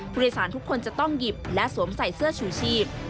ผู้โดยสารทุกคนจะต้องหยิบและสวมใส่เสื้อชูชีพ